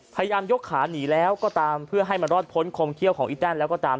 พยายามยกขาหนีแล้วก็ตามเพื่อให้มันรอดพ้นคมเขี้ยวของอีแต้นแล้วก็ตาม